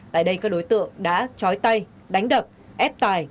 tại đây các đối tượng đã chói tay đánh đập ép tài